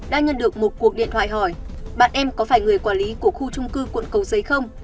đã nhận được một cuộc điện thoại hỏi bạn em có phải người quản lý của khu trung cư quận cầu giấy không